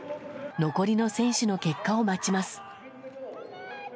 残りの選手の結果を待ちます。